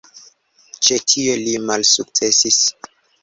Ĉe tio li malsukcesis.